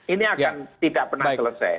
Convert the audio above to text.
ini akan tidak pernah selesai